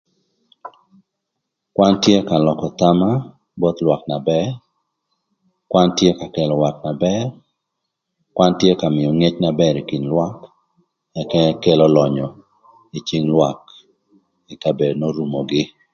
Kwan tye ka lökö thama both lwak na bër, kwan tye ka kelo wat na bër, kwan tye ka mïö ngec na bër ï kin lwak, ëka kelo lönyö ï cïng lwak ï kabedo n'orumogï.